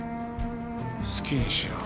好きにしろ。